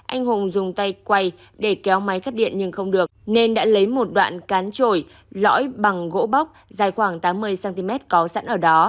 anh hùng dùng tay quay để kéo máy cắt điện nhưng không được nên đã lấy một đoạn cán trổi lõi bằng gỗ bóc dài khoảng tám mươi cm có sẵn ở đó